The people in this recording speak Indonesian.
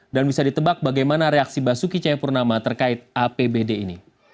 dan bisa ditebak bagaimana reaksi basuki cahayapurnama terkait apbd ini